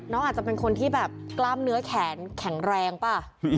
น้องอาจจะเป็นคนที่แบบกล้ามเนื้อแขนแข็งแรงป่ะ